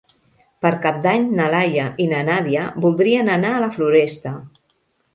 Per Cap d'Any na Laia i na Nàdia voldrien anar a la Floresta.